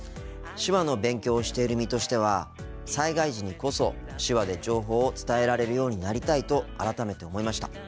手話の勉強をしている身としては災害時にこそ手話で情報を伝えられるようになりたいと改めて思いました。